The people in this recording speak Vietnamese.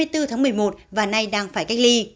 từ tháng một mươi một và nay đang phải cách ly